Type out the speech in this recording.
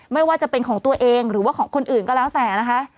ไม่ว่าจะเป็นของตัวเองหรือว่าของคนอื่นก็แล้วแต่นะคะ